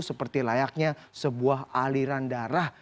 seperti layaknya sebuah aliran darah